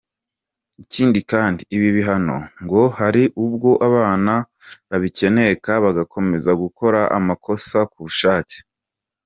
Ikindi kandi ibi bihano ngo hari ubwo abana babikeneka, bagakomeza gukora amakosa ku bushake.